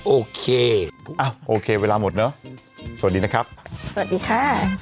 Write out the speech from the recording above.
โอเคอ้าวโอเคเวลาหมดเนอะสวัสดีนะครับสวัสดีค่ะ